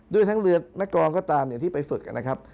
ด้วยทั้งเรือแม่กองก็ตามที่ไปฝึกนะครับ